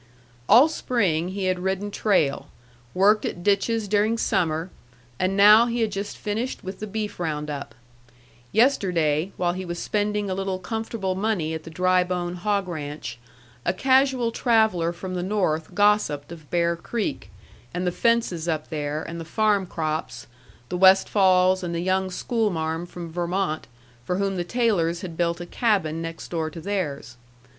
All spring he had ridden trail, worked at ditches during summer, and now he had just finished with the beef round up. Yesterday, while he was spending a little comfortable money at the Drybone hog ranch, a casual traveller from the north gossiped of Bear Creek, and the fences up there, and the farm crops, the Westfalls, and the young schoolmarm from Vermont, for whom the Taylors had built a cabin next door to theirs.